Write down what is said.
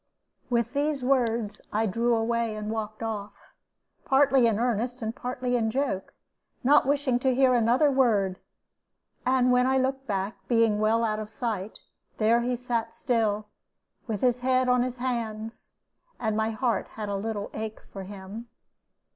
With these words, I drew away and walked off, partly in earnest and partly in joke, not wishing to hear another word; and when I looked back, being well out of sight, there he sat still, with his head on his hands, and my heart had a little ache for him.